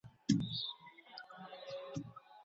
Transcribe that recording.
د لاس لیکنه د خپلو شیانو د ساتلو تمرین دی.